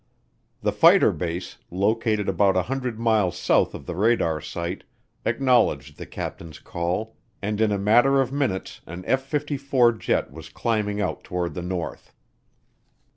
The fighter base, located about 100 miles south of the radar site, acknowledged the captain's call and in a matter of minutes an F 94 jet was climbing out toward the north.